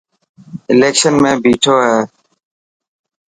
اليڪشن ۾ بيٺو هي.